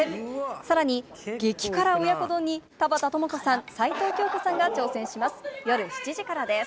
さらに激辛親子丼に田畑智子さん、齊藤京子さんが挑戦します。